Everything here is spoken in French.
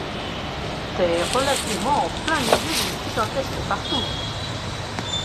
t'es relativement en plein milieu d'une gigantesque partouze.